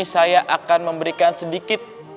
saya akan memberikan sedikit